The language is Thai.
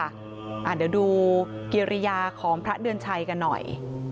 เดี๋ยวดูกิริยาของพระเดือนชัยกันหน่อย